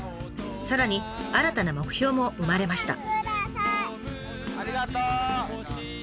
さらに新たな目標も生まれました。